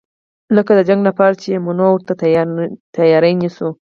لکه د جنګ لپاره چې یې منو او ورته تیاری نیسو.